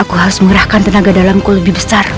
aku harus mengerahkan tenaga dalamku lebih besar